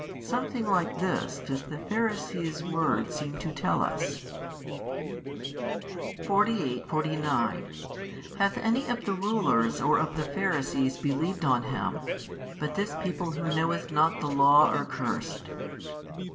something like this does the Pharisees' word seem to tell us. 48, 49 Hath any of the rulers or of the Pharisees believed on Him? but this people who knoweth not the law are cursed.